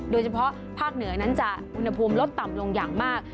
โดยเฉพาะภาคเหนือนั้นจะอุณหภูมิลดต่ำลงอย่างมาก